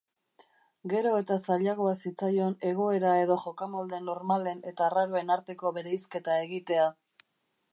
Gero eta zailagoa zitzaion egoera edo jokamolde normalen eta arraroen arteko bereizketa egitea.